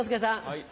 はい。